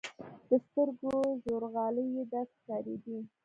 د سترګو ژورغالي يې داسې ښکارېدې.